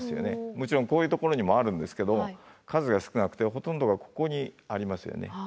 もちろんこういうところにもあるんですけど数が少なくてほとんどがここにありますよね。